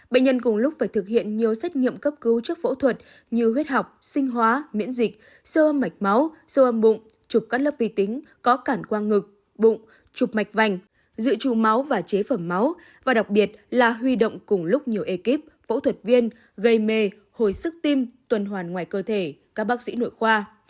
bệnh nhân cùng lúc phải thực hiện nhiều xét nghiệm cấp cứu trước phẫu thuật như huyết học sinh hóa miễn dịch sơ âm mạch máu sơ âm bụng chụp các lớp vi tính có cản quang ngực bụng chụp mạch vành dự trù máu và chế phẩm máu và đặc biệt là huy động cùng lúc nhiều ekip phẫu thuật viên gây mê hồi sức tim tuần hoàn ngoài cơ thể các bác sĩ nội khoa